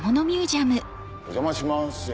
お邪魔します。